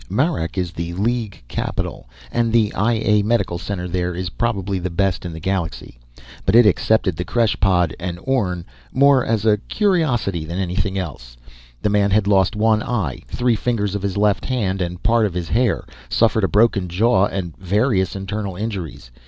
Marak is the League capital, and the I A medical center there is probably the best in the galaxy, but it accepted the creche pod and Orne more as a curiosity than anything else. The man had lost one eye, three fingers of his left hand and part of his hair, suffered a broken jaw and various internal injuries.